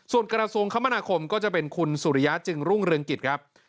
ส่วนกระทรวงคมนาคมก็จะเป็นคุณสุริยะจึงรุ่งเรืองกิจครับ